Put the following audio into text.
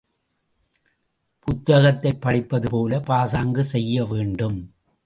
புத்தகத்தைப் படிப்பதுபோல பாசாங்கு செய்ய வேண்டும்.